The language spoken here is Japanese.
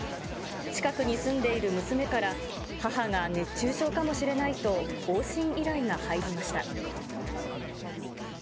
近くに住んでいる娘から、母が熱中症かもしれないと往診依頼が入りました。